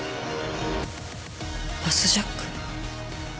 バスジャック。